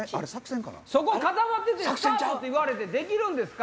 固まっててスタートって言われてできるんですか？